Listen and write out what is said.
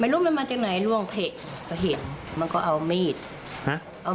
คือใครมาตก